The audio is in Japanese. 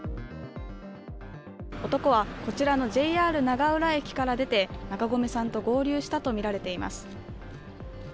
男はこちらのＪＲ長浦駅から出て中込さんと合流したとみられています。